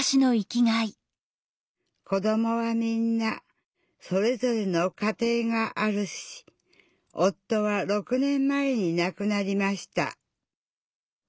子どもはみんなそれぞれの家庭があるし夫は６年前に亡くなりました。